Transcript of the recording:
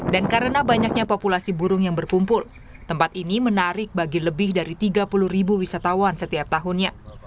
dan karena banyaknya populasi burung yang berpumpul tempat ini menarik bagi lebih dari tiga puluh ribu wisatawan setiap tahunnya